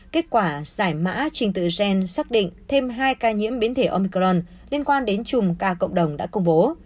kết quả giải mã trình tự gen xác định thêm hai ca nhiễm biến thể omcron liên quan đến chùm ca cộng đồng đã công bố